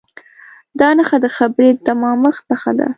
دا نښه د خبرې د تمامښت نښه ده.